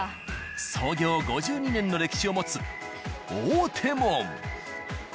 創業５２年の歴史を持つ「大手門」。